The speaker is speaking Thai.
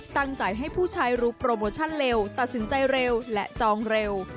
ตั้งใจให้ผู้ใช้รู้โปรโมชั่นเร็วตัดสินใจเร็วและจองเร็ว